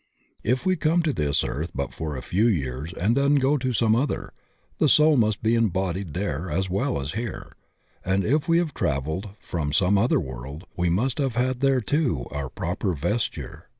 If we come to this earth for but a few years and then go to some other, the soul must be embodied there as well as here, and if we have traveled from some other world we must have had there too our proper vesture.